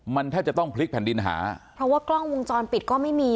มันแทบจะต้องพลิกแผ่นดินหาเพราะว่ากล้องวงจรปิดก็ไม่มี